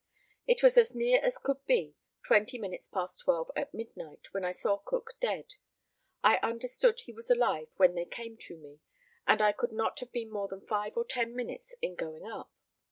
It was as near as could be twenty minutes past twelve at midnight when I saw Cook dead. I understood he was alive when they came to me, and I could not have been more than five or ten minutes in going up.